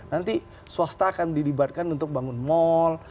nanti swasta akan dilibatkan untuk bangun mal